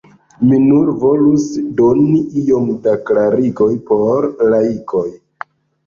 Mi nur volus doni iom da klarigo por laikoj.